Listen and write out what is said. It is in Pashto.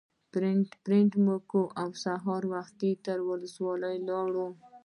پرنټ مو کړ او سهار وختي تر ولسوالۍ لاړو.